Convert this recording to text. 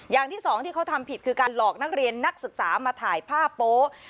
อย่างที่สองที่เขาทำผิดคือการหลอกนักเรียนนักศึกษามาถ่ายภาพโป๊ะ